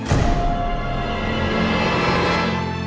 terima kasih mas